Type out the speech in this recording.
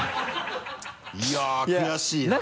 いやぁ悔しいな。